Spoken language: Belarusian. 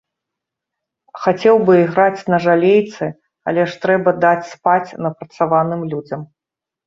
Хацеў бы іграць на жалейцы, але ж трэба даць спаць напрацаваным людзям.